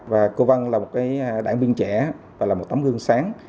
và cô văn là một đảng viên trẻ và là một tấm gương sáng